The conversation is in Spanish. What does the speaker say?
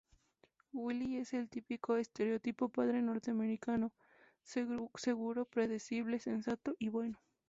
Willie es el típico estereotipo padre norteamericano; seguro, predecible, sensato y bueno.